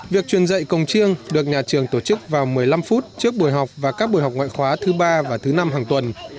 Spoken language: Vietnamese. việc truyền dạy công chiêng được nhà trường tổ chức vào một mươi năm phút trước buổi học và các buổi học ngoại khóa thứ ba và thứ năm hàng tuần